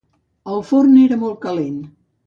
El forn era molt calent.